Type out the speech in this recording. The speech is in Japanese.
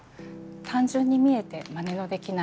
単純に見えてまねのできない絵。